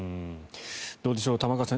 どうでしょう、玉川さん